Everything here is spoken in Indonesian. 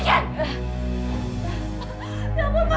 ya ampun ma